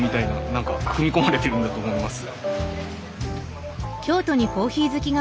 何か組み込まれてるんだと思います。